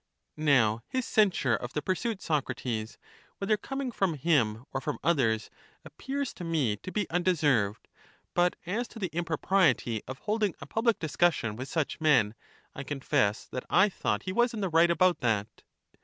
Now his censure of the pursuit, Socrates, whether coming from him or from others, appears to me to be undeserved ; but as to the impropriety of holding a public discussion with such men, I confess that I thought he was in the right about that.